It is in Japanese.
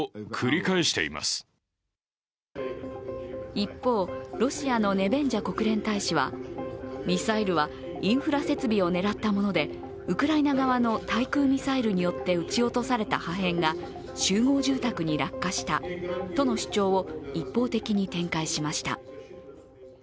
一方、ロシアのネベンジャ国連大使はミサイルはインフラ設備を狙ったものでウクライナ側の対空ミサイルによって撃ち落とされた破片が集合住宅に落下したとの主張を一方的に展開しました。